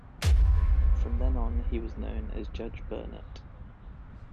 From then on he was known as Judge Burnet.